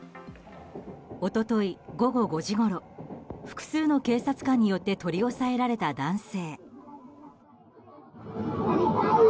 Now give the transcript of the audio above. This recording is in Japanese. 一昨日、午後５時ごろ複数の警察官によって取り押さえられた男性。